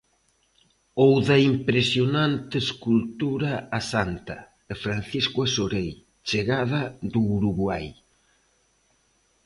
Ou da impresionante escultura A Santa, de Francisco Asorei, chegada do Uruguai.